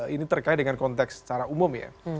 ini terkait dengan konteks secara umum ya